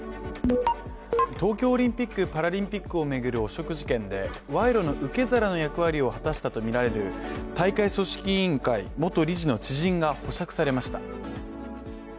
東京オリンピック・パラリンピックを巡る、汚職事件で、賄賂の受け皿の役割を果たしたとみられる大会組織委員会元理事の知人が保釈されました。